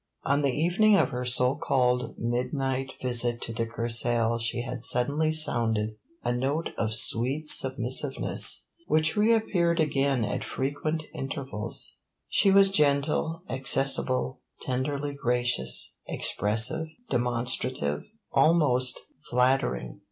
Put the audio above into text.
On the evening of her so called midnight visit to the Kursaal she had suddenly sounded a note of sweet submissiveness which re appeared again at frequent intervals. She was gentle, accessible, tenderly gracious, expressive, demonstrative, almost flattering.